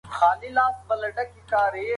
دی له ځان سره په پټه خوله غږېږي.